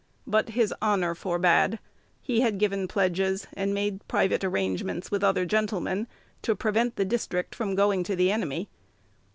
But his "honor" forbade: he had given pledges, and made private arrangements with other gentlemen, to prevent "the district from going to the enemy."